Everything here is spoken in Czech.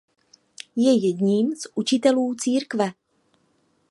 Je jedním z učitelů církve.